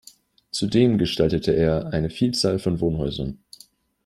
Zudem gestaltete er eine Vielzahl von Wohnhäusern.